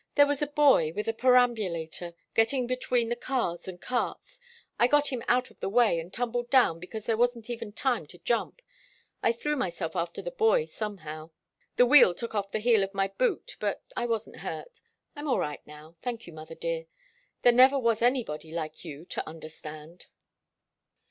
"There was a boy, with a perambulator, getting between the cars and carts. I got him out of the way, and tumbled down, because there wasn't even time to jump. I threw myself after the boy somehow. The wheel took off the heel of my boot, but I wasn't hurt. I'm all right now. Thank you, mother dear. There never was anybody like you to understand."